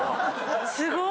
すごい！